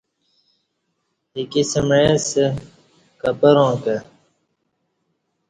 ایکی سمعےسہ کپراں کہ